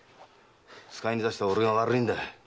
使いに出した俺が悪いんだ。